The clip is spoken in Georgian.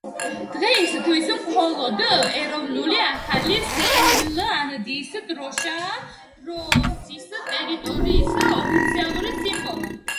დღეისათვის, მხოლოდ ეროვნული ახალი ზელანდიის დროშაა როსის ტერიტორიის ოფიციალური სიმბოლო.